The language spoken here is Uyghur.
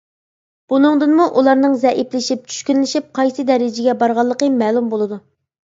بۇنىڭدىنمۇ ئۇلارنىڭ زەئىپلىشىپ، چۈشكۈنلىشىپ قايسى دەرىجىگە بارغانلىقى مەلۇم بولىدۇ.